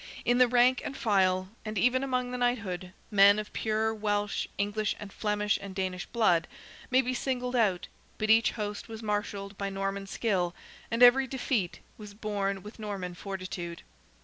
In the rank and file, and even among the knighthood, men of pure Welsh, English, and Flemish and Danish blood, may be singled out, but each host was marshalled by Norman skill, and every defeat was borne with Norman fortitude.